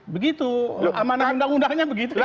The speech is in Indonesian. begitu amanah undang undangnya begitu kan